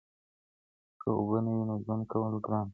که اوبه نه وي نو ژوند کول ګران دي.